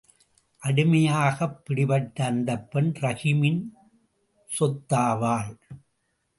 அடிமையாகப் பிடிபட்ட அந்தப் பெண் ரஹீமின் சொத்தாவாள்.